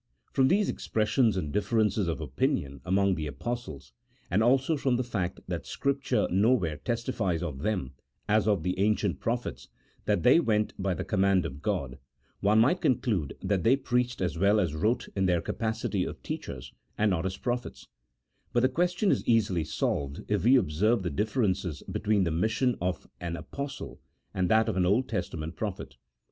From these expressions and differences of opinion among the Apostles, and also from the fact that Scripture nowhere testifies of them, as of the ancient prophets, that they went by the command of God, one might conclude that they preached as well as wrote in their capacity of teachers, and not as prophets : but the question is easily solved if we observe the difference between the mission of an Apostle and that of an Old Testament prophet.